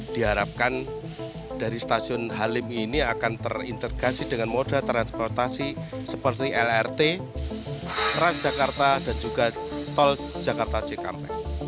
diharapkan dari stasiun halim ini akan terintegrasi dengan moda transportasi seperti lrt transjakarta dan juga tol jakarta cikampek